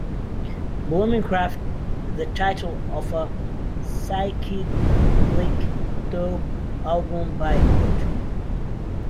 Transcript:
"Blumenkraft" is the title of a psychedelic dub album by Ott.